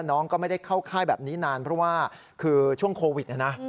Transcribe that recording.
น้องก็ไม่ได้เข้าค่ายแบบนี้นานเพราะว่าคือช่วงโควิดนะนะ